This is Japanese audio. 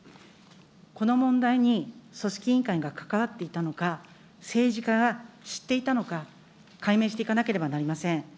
この問題に組織委員会が関わっていたのか、政治家が知っていたのか、解明していかなければなりません。